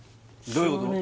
どういうこと？